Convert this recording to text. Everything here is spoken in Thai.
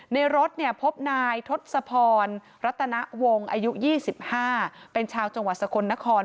ในรถพบนายทศพรรัตนวงอายุ๒๕เป็นชาวจังหวัดสกลนคร